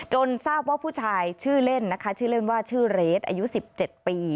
ทราบว่าผู้ชายชื่อเล่นนะคะชื่อเล่นว่าชื่อเรสอายุ๑๗ปี